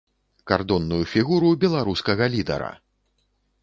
Кардонную фігуру беларускага лідара!